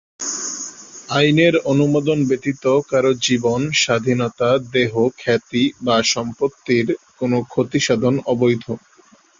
আইনের অনুমোদন ব্যতীত কারও জীবন, স্বাধীনতা, দেহ, খ্যাতি বা সম্পত্তির কোনো ক্ষতি সাধন অবৈধ।